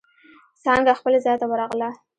څانگه خپل ځای ته ورغله.